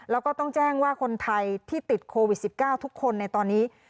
แล้วก็ต้องแจ้งว่าคนไทยที่ติดโควิด๑๙ทุกคนในตอนนี้